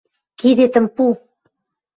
— Кидетӹм пу!